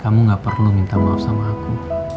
kamu gak perlu minta maaf sama aku